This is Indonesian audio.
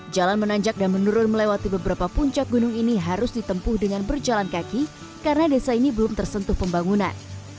jalan menanjak dan menurun melewati beberapa puncak gunung ini harus ditempuh dengan berjalan kaki karena desa ini belum tersentuh pembangunan